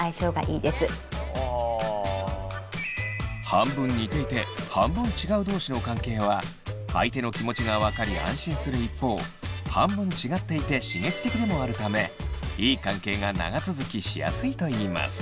半分似ていて半分違う同士の関係は相手の気持ちが分かり安心する一方半分違っていて刺激的でもあるためいい関係が長続きしやすいといいます。